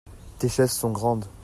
tes chaises sont grandes.